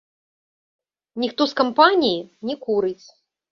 Ніхто з кампаніі не курыць.